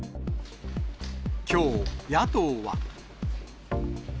きょう、野党は。